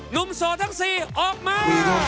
หนุ่มโสดทั้ง๔ออกมา